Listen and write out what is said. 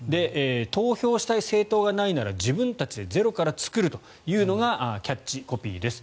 投票したい政党がないなら自分たちでゼロから作るというのがキャッチコピーです。